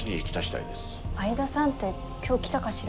相田さんって今日来たかしら？